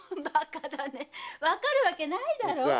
〔わかるわけないだろ？〕